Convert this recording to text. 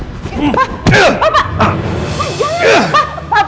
pak pak pak